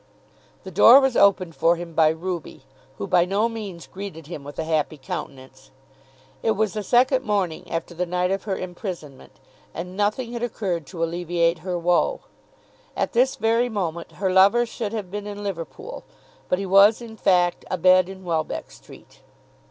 The door was opened for him by Ruby, who by no means greeted him with a happy countenance. It was the second morning after the night of her imprisonment; and nothing had occurred to alleviate her woe. At this very moment her lover should have been in Liverpool, but he was, in fact, abed in Welbeck Street.